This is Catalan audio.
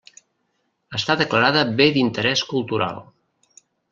Està declarada Bé d'Interés Cultural.